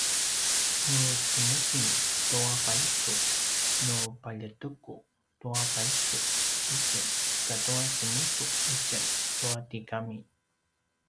nu cemuking tua paysu nu paljeteku tua paysu itjen katua semusu’ itjen tua tigami